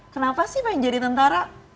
kenapa sih pengen jadi tentara